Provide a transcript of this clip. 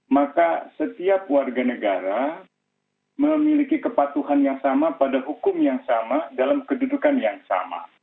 maka setiap warga negara memiliki kepatuhan yang sama pada hukum yang sama dalam kedudukan yang sama